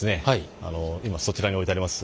今そちらに置いてあります